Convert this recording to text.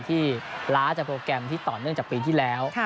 ที่ล้าจากโปรแกรมที่ต่อเนื่องจากปีที่แล้ว